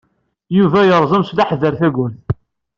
Yuba yerẓem s leḥder tawwurt.